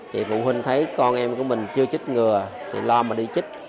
thì phụ huynh thấy con em của mình chưa trích ngừa thì lo mà đi trích